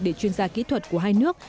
để chuyên gia kỹ thuật của hai nước